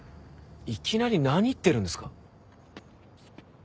いきなり何言ってるんですか？